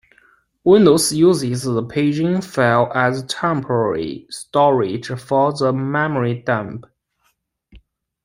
Windows uses the paging file as temporary storage for the memory dump.